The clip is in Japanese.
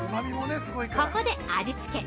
ここで味つけ。